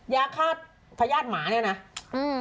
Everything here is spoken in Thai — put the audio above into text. ยาฆาตพยาบาลใหม่อะ